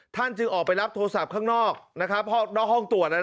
ท่านจึงออกไปรับโทรศัพท์ข้างนอกกลับไปห้องตรวจ